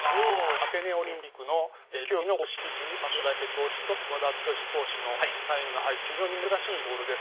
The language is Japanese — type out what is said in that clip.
アテネオリンピックの野球競技の公式球に松坂大輔投手と和田毅投手のサインが入った非常に珍しいボールです。